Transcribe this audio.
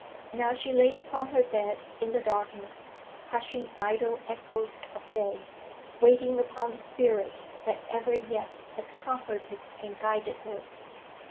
Now she lay upon her bed in the darkness, hushing idle echoes of day, waiting upon the spirit that ever yet had comforted and guided her.